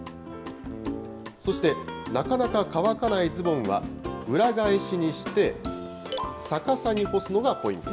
そして、なかなか乾かないズボンは、裏返しにして、逆さに干すのがポイント。